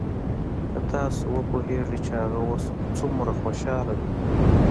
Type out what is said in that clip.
که تاسو وپويېګئ چې هغه اوس سومره خوشاله دى.